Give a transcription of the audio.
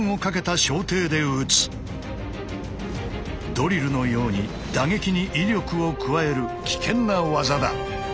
ドリルのように打撃に威力を加える危険な技だ。